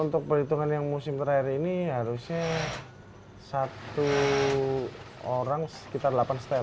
untuk perhitungan yang musim terakhir ini harusnya satu orang sekitar delapan setel